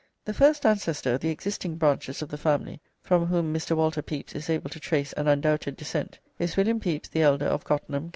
the first ancestor of the existing branches of the family from whom Mr. Walter Pepys is able to trace an undoubted descent, is "William Pepis the elder, of Cottenham, co.